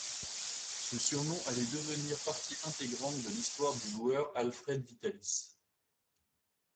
Ce surnom allait devenir partie intégrante de l'histoire du joueur Alfred Vitalis.